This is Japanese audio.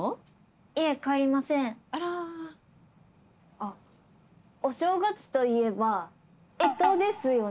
あお正月といえば干支ですよね。